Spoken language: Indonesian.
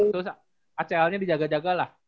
terus acl nya dijaga jagalah